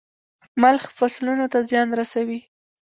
ملخ فصلونو ته زيان رسوي.